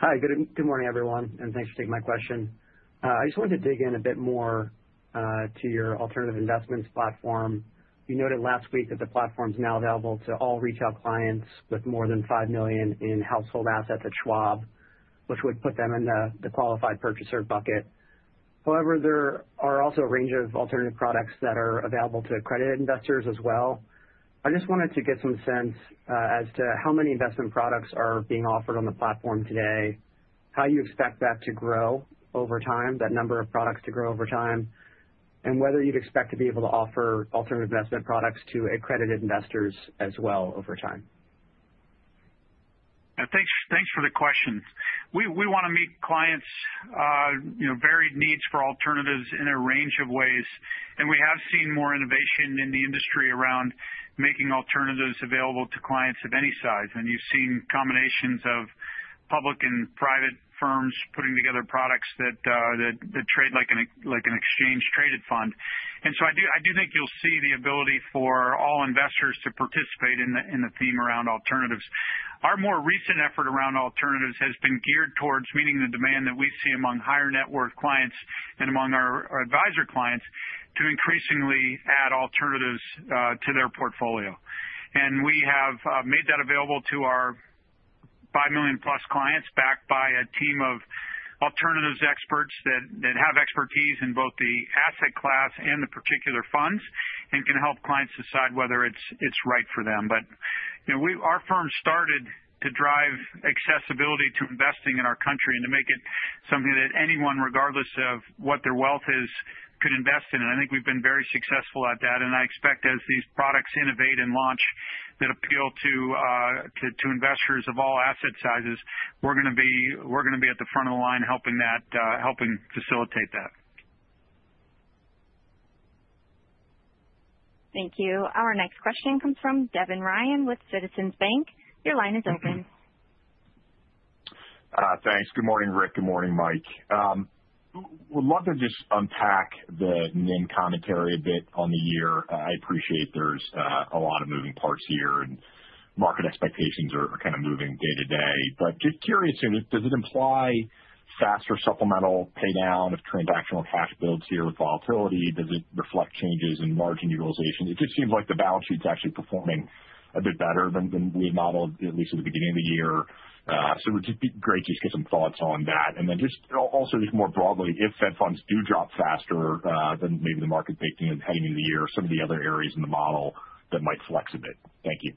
Speaker 9: Hi, good morning, everyone. Thanks for taking my question. I just wanted to dig in a bit more to your alternative investments platform. You noted last week that the platform is now available to all retail clients with more than $5 million in household assets at Schwab, which would put them in the qualified purchaser bucket. However, there are also a range of alternative products that are available to accredited investors as well. I just wanted to get some sense as to how many investment products are being offered on the platform today, how you expect that to grow over time, that number of products to grow over time, and whether you'd expect to be able to offer alternative investment products to accredited investors as well over time.
Speaker 2: Thanks for the question. We want to meet clients' varied needs for alternatives in a range of ways. We have seen more innovation in the industry around making alternatives available to clients of any size. You have seen combinations of public and private firms putting together products that trade like an exchange-traded fund. I do think you will see the ability for all investors to participate in the theme around alternatives. Our more recent effort around alternatives has been geared towards meeting the demand that we see among higher-net-worth clients and among our advisor clients to increasingly add alternatives to their portfolio. We have made that available to our 5 million-plus clients backed by a team of alternatives experts that have expertise in both the asset class and the particular funds and can help clients decide whether it is right for them.
Speaker 1: Our firm started to drive accessibility to investing in our country and to make it something that anyone, regardless of what their wealth is, could invest in. I think we've been very successful at that. I expect as these products innovate and launch that appeal to investors of all asset sizes, we're going to be at the front of the line helping facilitate that.
Speaker 4: Thank you. Our next question comes from Devin Ryan with Citizens Bank. Your line is open.
Speaker 10: Thanks. Good morning, Rick. Good morning, Mike. Would love to just unpack the NIM commentary a bit on the year. I appreciate there's a lot of moving parts here, and market expectations are kind of moving day to day. Just curious, does it imply faster supplemental paydown of transactional cash builds here with volatility? Does it reflect changes in margin utilization? It just seems like the balance sheet's actually performing a bit better than we had modeled, at least at the beginning of the year. It would just be great to just get some thoughts on that. Also, just more broadly, if Fed funds do drop faster than maybe the market's making heading into the year, some of the other areas in the model that might flex a bit. Thank you.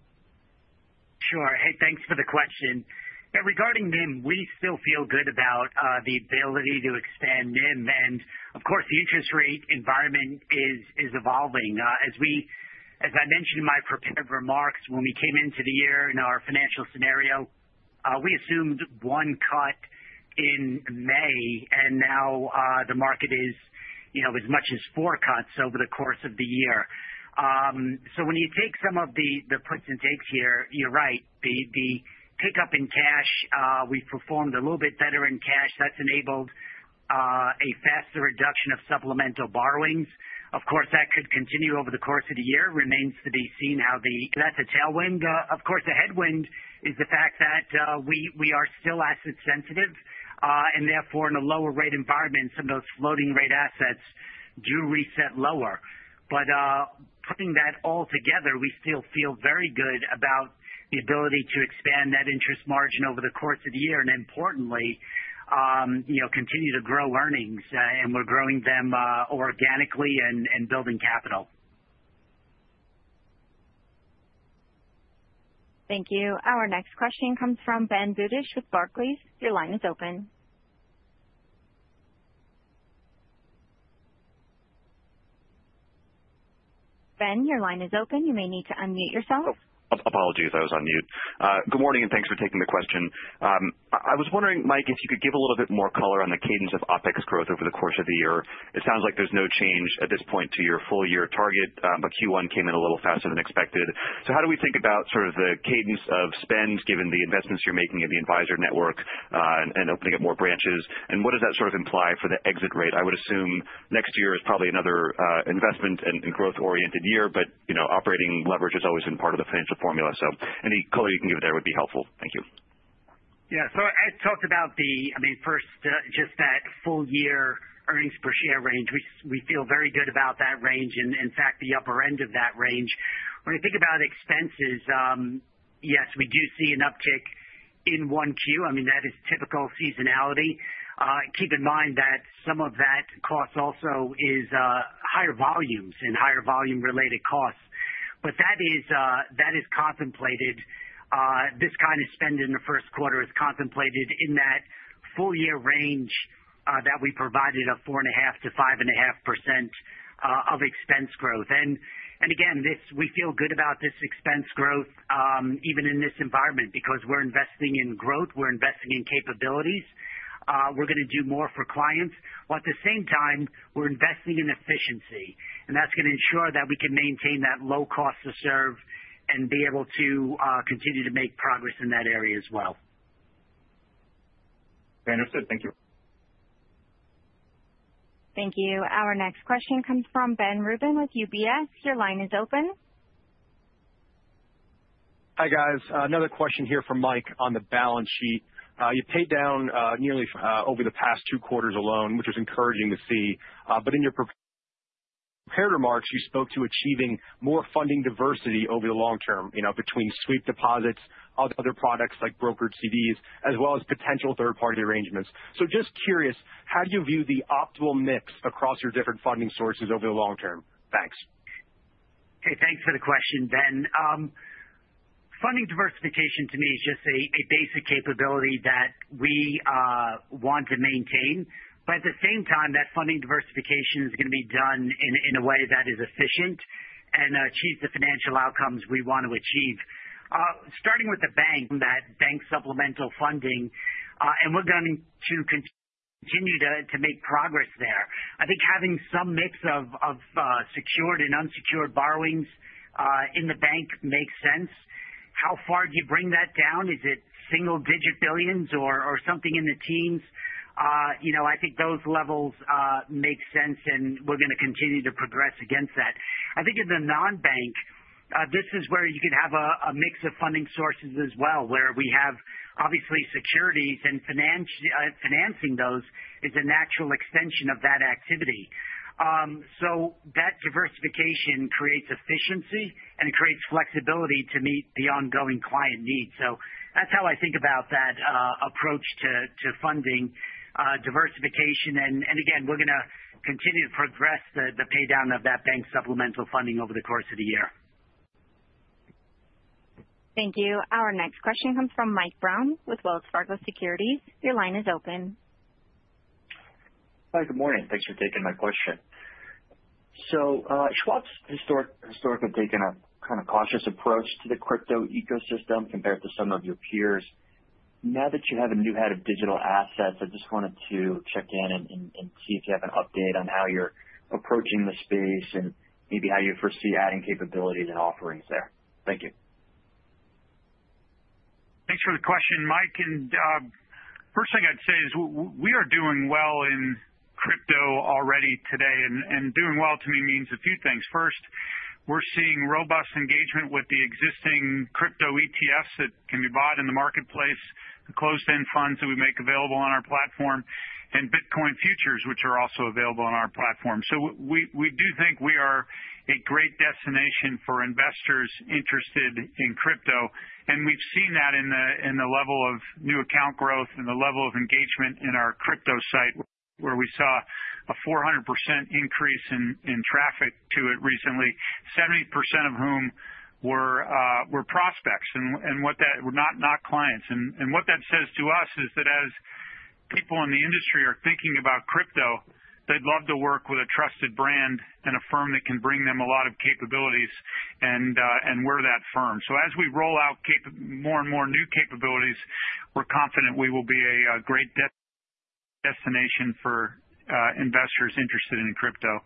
Speaker 3: Sure. Hey, thanks for the question. Regarding NIM, we still feel good about the ability to expand NIM. Of course, the interest rate environment is evolving. As I mentioned in my prepared remarks, when we came into the year in our financial scenario, we assumed one cut in May, and now the market is as much as four cuts over the course of the year. When you take some of the puts and takes here, you're right. The pickup in cash, we've performed a little bit better in cash. That's enabled a faster reduction of supplemental borrowings. Of course, that could continue over the course of the year. Remains to be seen how the. That's a tailwind. Of course, the headwind is the fact that we are still asset-sensitive, and therefore, in a lower-rate environment, some of those floating-rate assets do reset lower. Putting that all together, we still feel very good about the ability to expand that interest margin over the course of the year and, importantly, continue to grow earnings. We're growing them organically and building capital.
Speaker 4: Thank you. Our next question comes from Ben Budish with Barclays. Your line is open. Ben, your line is open. You may need to unmute yourself.
Speaker 11: Apologies. I was on mute. Good morning, and thanks for taking the question. I was wondering, Mike, if you could give a little bit more color on the cadence of OpEx growth over the course of the year. It sounds like there's no change at this point to your full-year target. 1Q came in a little faster than expected. How do we think about sort of the cadence of spend, given the investments you're making in the advisor network and opening up more branches? What does that sort of imply for the exit rate? I would assume next year is probably another investment and growth-oriented year, but operating leverage has always been part of the financial formula. Any color you can give there would be helpful. Thank you.
Speaker 3: Yeah. I talked about the, I mean, first, just that full-year earnings per share range. We feel very good about that range and, in fact, the upper end of that range. When we think about expenses, yes, we do see an uptick in 1Q. I mean, that is typical seasonality. Keep in mind that some of that cost also is higher volumes and higher volume-related costs. That is contemplated. This kind of spend in the first quarter is contemplated in that full-year range that we provided of 4.5%-5.5% of expense growth. Again, we feel good about this expense growth, even in this environment, because we're investing in growth. We're investing in capabilities. We're going to do more for clients. At the same time, we're investing in efficiency. That is going to ensure that we can maintain that low cost to serve and be able to continue to make progress in that area as well.
Speaker 11: Understood. Thank you.
Speaker 4: Thank you. Our next question comes from Ben Rubin with UBS. Your line is open.
Speaker 12: Hi, guys. Another question here from Mike on the balance sheet. You've paid down nearly over the past two quarters alone, which is encouraging to see. In your prepared remarks, you spoke to achieving more funding diversity over the long term between sweep deposits, other products like brokered CDs, as well as potential third-party arrangements. Just curious, how do you view the optimal mix across your different funding sources over the long term? Thanks.
Speaker 3: Okay. Thanks for the question, Ben. Funding diversification, to me, is just a basic capability that we want to maintain. At the same time, that funding diversification is going to be done in a way that is efficient and achieves the financial outcomes we want to achieve. Starting with the bank. That bank supplemental funding, and we're going to continue to make progress there. I think having some mix of secured and unsecured borrowings in the bank makes sense. How far do you bring that down? Is it single-digit billions or something in the teens? I think those levels make sense, and we're going to continue to progress against that. I think in the non-bank, this is where you could have a mix of funding sources as well, where we have, obviously, securities, and financing those is a natural extension of that activity. That diversification creates efficiency and creates flexibility to meet the ongoing client needs. That is how I think about that approach to funding diversification. Again, we are going to continue to progress the paydown of that bank supplemental funding over the course of the year.
Speaker 4: Thank you. Our next question comes from Mike Brown with Wells Fargo Securities. Your line is open.
Speaker 13: Hi. Good morning. Thanks for taking my question. Schwab's historically taken a kind of cautious approach to the crypto ecosystem compared to some of your peers. Now that you have a new head of digital assets, I just wanted to check in and see if you have an update on how you're approaching the space and maybe how you foresee adding capabilities and offerings there. Thank you.
Speaker 2: Thanks for the question, Mike. The first thing I'd say is we are doing well in crypto already today. Doing well, to me, means a few things. First, we're seeing robust engagement with the existing crypto ETFs that can be bought in the marketplace, the closed-end funds that we make available on our platform, and Bitcoin futures, which are also available on our platform. We do think we are a great destination for investors interested in crypto. We've seen that in the level of new account growth and the level of engagement in our crypto site, where we saw a 400% increase in traffic to it recently, 70% of whom were prospects and not clients. What that says to us is that as people in the industry are thinking about crypto, they'd love to work with a trusted brand and a firm that can bring them a lot of capabilities and we're that firm. As we roll out more and more new capabilities, we're confident we will be a great destination for investors interested in crypto.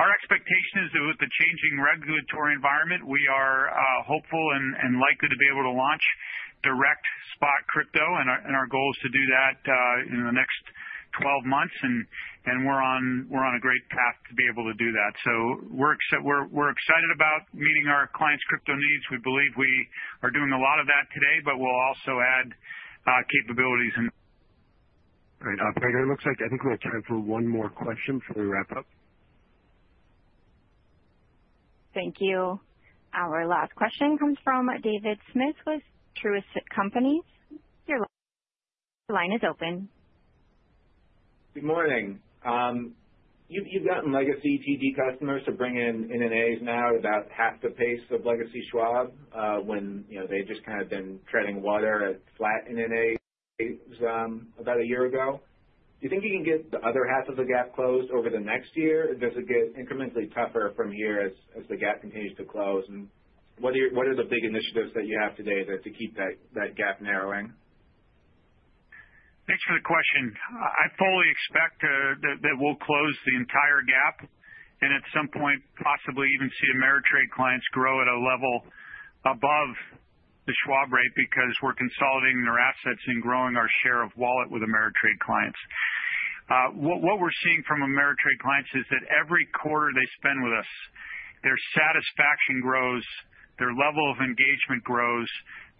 Speaker 2: Our expectation is that with the changing regulatory environment, we are hopeful and likely to be able to launch direct spot crypto. Our goal is to do that in the next 12 months. We're on a great path to be able to do that. We're excited about meeting our clients' crypto needs. We believe we are doing a lot of that today, but we'll also add capabilities.
Speaker 1: Great. Greg, it looks like I think we have time for one more question before we wrap up.
Speaker 4: Thank you. Our last question comes from David Smith with Truist Companies. Your line is open.
Speaker 14: Good morning. You've gotten legacy TD customers to bring in NNAs now at about half the pace of legacy Schwab when they had just kind of been treading water at flat NNAs about a year ago. Do you think you can get the other half of the gap closed over the next year? Does it get incrementally tougher from here as the gap continues to close? What are the big initiatives that you have today to keep that gap narrowing?
Speaker 2: Thanks for the question. I fully expect that we'll close the entire gap and at some point possibly even see Ameritrade clients grow at a level above the Schwab rate because we're consolidating their assets and growing our share of wallet with Ameritrade clients. What we're seeing from Ameritrade clients is that every quarter they spend with us, their satisfaction grows, their level of engagement grows,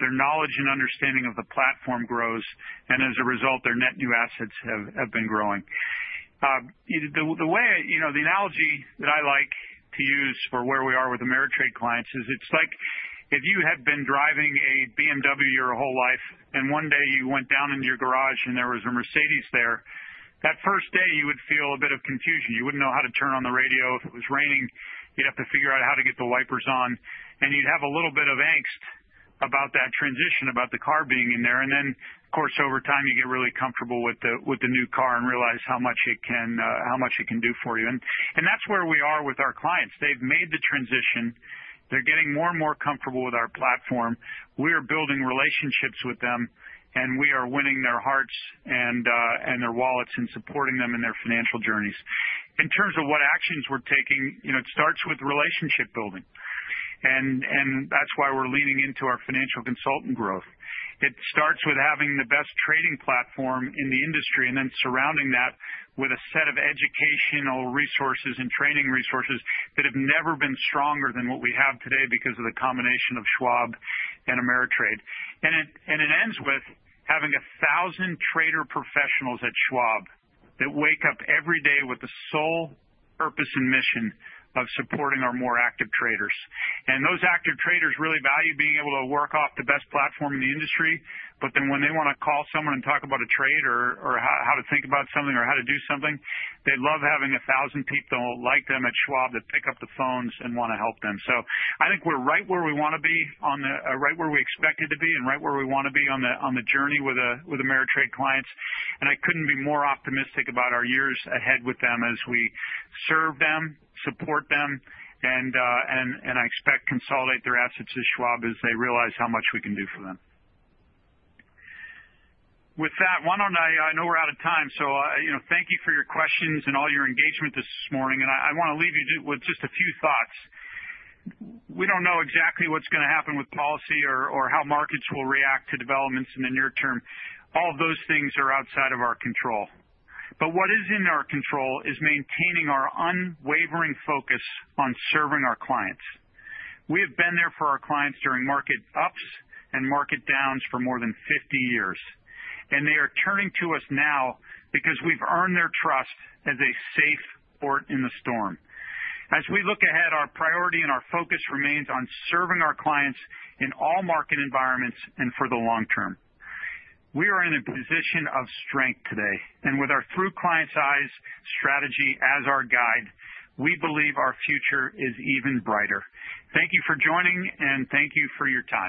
Speaker 2: their knowledge and understanding of the platform grows, and as a result, their net new assets have been growing. The analogy that I like to use for where we are with Ameritrade clients is it's like if you had been driving a BMW your whole life and one day you went down in your garage and there was a Mercedes there, that first day you would feel a bit of confusion. You wouldn't know how to turn on the radio if it was raining. You'd have to figure out how to get the wipers on. You'd have a little bit of angst about that transition, about the car being in there. Of course, over time, you get really comfortable with the new car and realize how much it can do for you. That's where we are with our clients. They've made the transition. They're getting more and more comfortable with our platform. We are building relationships with them, and we are winning their hearts and their wallets and supporting them in their financial journeys. In terms of what actions we're taking, it starts with relationship building. That's why we're leaning into our financial consultant growth. It starts with having the best trading platform in the industry and then surrounding that with a set of educational resources and training resources that have never been stronger than what we have today because of the combination of Schwab and Ameritrade. It ends with having 1,000 trader professionals at Schwab that wake up every day with the sole purpose and mission of supporting our more active traders. Those active traders really value being able to work off the best platform in the industry. When they want to call someone and talk about a trade or how to think about something or how to do something, they love having 1,000 people like them at Schwab that pick up the phones and want to help them. I think we're right where we want to be, right where we expected to be, and right where we want to be on the journey with Ameritrade clients. I couldn't be more optimistic about our years ahead with them as we serve them, support them, and I expect to consolidate their assets at Schwab as they realize how much we can do for them. With that, I know we're out of time, so thank you for your questions and all your engagement this morning. I want to leave you with just a few thoughts. We don't know exactly what's going to happen with policy or how markets will react to developments in the near term. All of those things are outside of our control. What is in our control is maintaining our unwavering focus on serving our clients. We have been there for our clients during market ups and market downs for more than 50 years. They are turning to us now because we've earned their trust as a safe port in the storm. As we look ahead, our priority and our focus remains on serving our clients in all market environments and for the long term. We are in a position of strength today. With our through client's eyes strategy as our guide, we believe our future is even brighter. Thank you for joining, and thank you for your time.